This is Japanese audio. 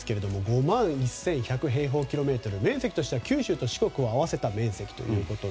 ５万１１００平方メートル面積としては九州と四国を合わせた面積。